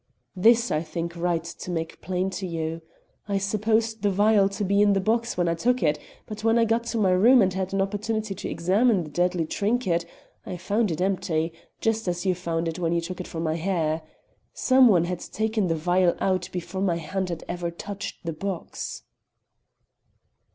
"This I think it right to make plain to you. I supposed the vial to be in the box when I took it, but when I got to my room and had an opportunity to examine the deadly trinket, I found it empty, just as you found it when you took it from my hair. Some one had taken the vial out before my hand had ever touched the box."